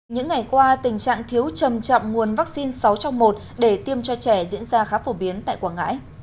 những ngày qua tình trạng thiếu trầm trọng nguồn vaccine sáu trong một để tiêm cho trẻ diễn ra khá phổ biến tại quảng ngãi